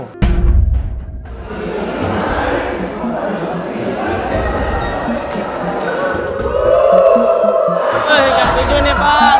kasih tujuan ya pak kasih tujuan